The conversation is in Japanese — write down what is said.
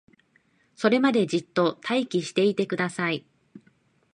それまでじっと待機していてください